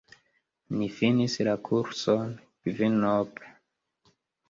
Ni finis la kurson kvinope.